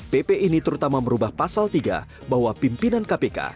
pp ini terutama merubah pasal tiga bahwa pimpinan kpk